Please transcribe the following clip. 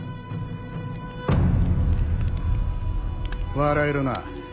笑えるな。